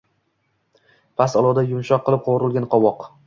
past olovda yumshoq qilib qovurilgan qovoq.